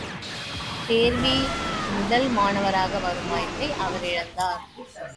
தேர்வி முதல் மாணவராக வரும் வாய்ப்பை அவர் இழந்தார்.